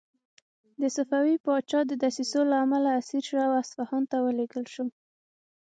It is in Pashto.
د صفوي پاچا د دسیسو له امله اسیر شو او اصفهان ته ولېږدول شو.